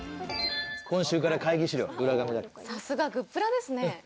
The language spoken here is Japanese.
今週から会議資料、裏紙だかさすがグップラですね。